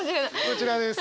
こちらです。